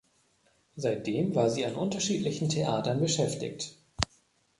Seitdem war sie an unterschiedlichen Theatern beschäftigt.